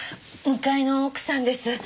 向かいの奥さんです。